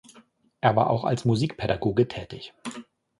Er war auch als Musikpädagoge tätig.